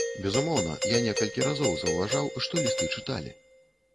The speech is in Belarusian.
Безумоўна, я некалькі разоў заўважаў, што лісты чыталі.